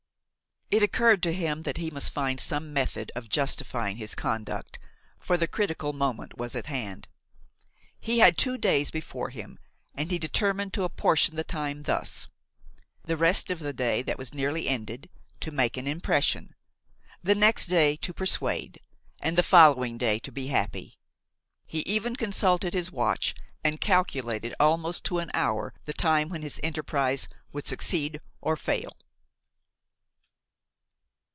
It occurred to him that he must find some method of justifying his conduct, for the critical moment was at hand. He had two days before him and he determined to apportion the time thus: the rest of the day that was nearly ended to make an impression, the next day to persuade and the following day to be happy. He even consulted his watch and calculated almost to an hour the time when his enterprise would succeed or fail.